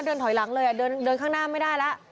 เดินถอยหลังเลยเดินข้างหน้าไม่ได้แล้ว